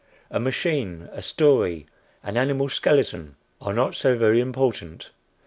A machine, a story, an animal skeleton, are not so very important.